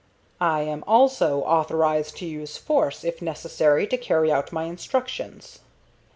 "I am also authorized to use force, if necessary, to carry out my instructions."